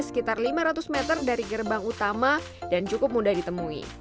sekitar lima ratus meter dari gerbang utama dan cukup mudah ditemui